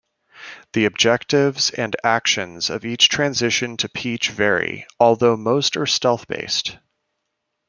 The objectives and actions of each transition to Peach vary, although most are stealth-based.